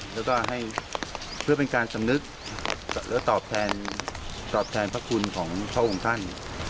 แล้วก็ให้เพื่อเป็นการสำนึกแล้วตอบแทนพระคุณของพ่อของท่าน